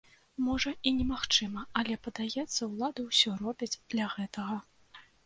Можа, і немагчыма, але, падаецца, улады ўсё робяць для гэтага.